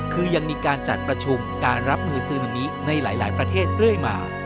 คือยังมีการจัดประชุมการรับมือซึนามิในหลายประเทศเรื่อยมา